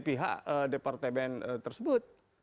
pihak departemen tersebut